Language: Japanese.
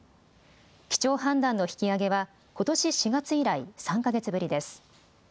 基調判断の引き上げはことし４月以来、３か月ぶりです。